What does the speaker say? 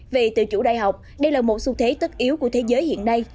về tự chủ đại học đây là một xu thế tất yếu của thế giới hiện nay